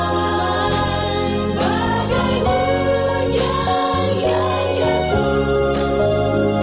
damai bagai hujan yang jatuh